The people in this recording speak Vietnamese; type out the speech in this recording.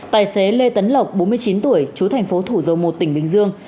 tài xế lê tấn lộc bốn mươi chín tuổi chú thành phố thủ dầu một tỉnh bình dương